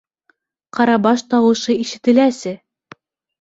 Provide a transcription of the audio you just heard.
Ҡарабаш тауышы ишетеләсе!..